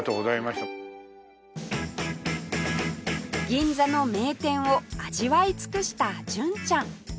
銀座の名店を味わい尽くした純ちゃん